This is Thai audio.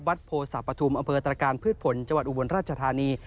วัดโพสาปธุมอำเภอตรการพืชผลจอุบลราชธานี